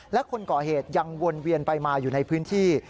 และคนก่อเหตุยังวนเวียนไปมาอยู่ในพื้นที่